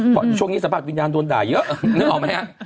เพราะช่วงนี้สัมผัสวิญญาณโดนด่าเยอะนึกออกไหมฮะ